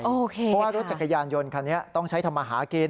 เพราะว่ารถจักรยานยนต์คันนี้ต้องใช้ทำมาหากิน